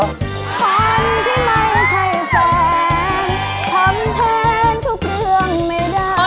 ธรรมแทนทุกเรื่องไม่ได้